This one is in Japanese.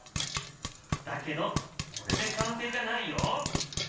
だけどこれで完成じゃないよ。